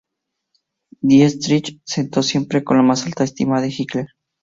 Dietrich contó siempre con la más alta estima de Hitler.